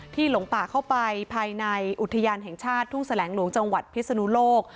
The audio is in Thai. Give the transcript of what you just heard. หลงป่าเข้าไปภายในอุทยานแห่งชาติทุ่งแสลงหลวงจังหวัดพิศนุโลก